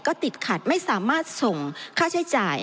ก็ติดขัดไม่สามารถส่งค่าใช้จ่าย